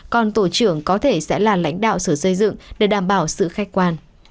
còn tổ trưởng có thể sẽ là lãnh đạo sở xây dựng để đảm bảo sự khách quan